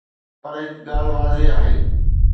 پر هڪ ڳالهه واضح آهي.